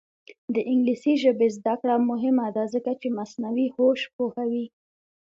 د انګلیسي ژبې زده کړه مهمه ده ځکه چې مصنوعي هوش پوهوي.